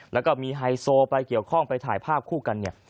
แล้วก็มีไฮโซไปเกี่ยวข้องไปถ่ายภาพคู่กันเนี่ย